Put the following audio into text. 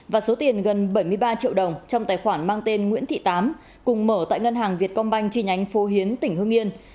và số tiền gần bảy mươi ba triệu đồng trong tài khoản mang tên nguyễn thị tám cùng mở tại ngân hàng việt công banh chi nhánh phố hiến tỉnh hương yên